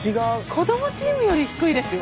子どもチームより低いですよ！